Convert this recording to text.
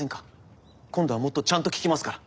今度はもっとちゃんと聞きますから。